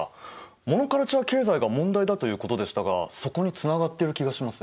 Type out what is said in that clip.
モノカルチャー経済が問題だということでしたがそこにつながってる気がします。